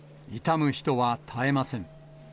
悼む人は絶えません。